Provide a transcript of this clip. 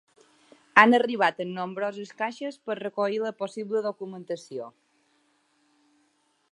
Han arribat amb nombroses caixes per recollir la possible documentació.